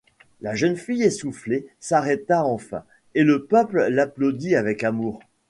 La jeune fille, essoufflée, s’arrêta enfin, et le peuple l’applaudit avec amour.